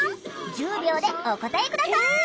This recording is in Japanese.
１０秒でお答え下さい！え！